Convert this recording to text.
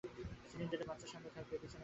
সিলিন্ডারটা বাচ্চার সামনে থাকবে, পিছনে নয়।